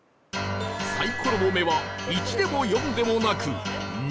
サイコロの目は「１」でも「４」でもなく「２」